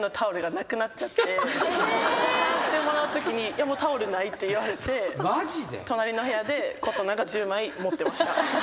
交換してもらうときにもうタオルないって言われて隣の部屋で琴奈が１０枚持ってました。